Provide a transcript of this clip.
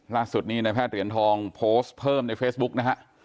ล่าสุดนี้ในแพทย์เหรียญทองโพสต์เพิ่มในเฟซบุ๊กนะฮะ